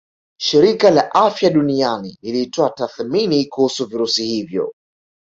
Shirika la Afya Duniani lilitoa tathmini kuhusu virusi hivyo